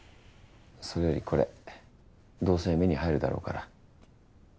それよりこれどうせ目に入るだろうから。